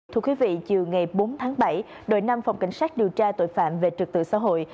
thưa quý vị chiều ngày bốn tháng bảy đội năm phòng cảnh sát điều tra tội phạm về trực tự xã hội